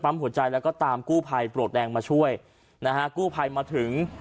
หัวใจแล้วก็ตามกู้ภัยปลวกแดงมาช่วยนะฮะกู้ภัยมาถึง